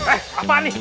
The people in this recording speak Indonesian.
eh apaan nih eh